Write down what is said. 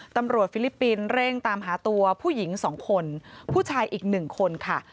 ตำรวจฟิลิปปินส์เร่งตามหาตัวผู้หญิง๒คนผู้ชายอีก๑คนค่ะ